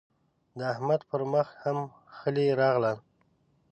د احمد پر مخ هم خلي راغلل.